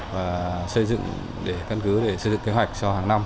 và xây dựng kế hoạch cho hàng năm